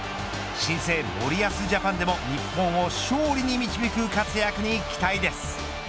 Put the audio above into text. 新生、森保ジャパンでも日本を勝利に導く活躍に期待です。